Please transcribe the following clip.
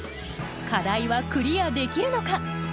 課題はクリアできるのか？